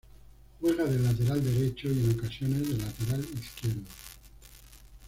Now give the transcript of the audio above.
Juega de lateral derecho y en ocasiones de lateral izquierdo.